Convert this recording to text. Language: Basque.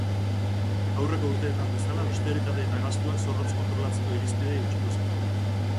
Aurreko urteetan bezala, austeritate eta gastuak zorrotz kontrolatzeko irizpideei eutsiko zaie.